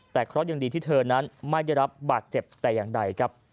แต่เคราะห์ยังดีที่เธอนั้นไม่ได้รับบาดเจ็บแต่อย่างใดครับ